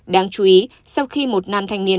đáng chú ý sau khi một nam thanh niên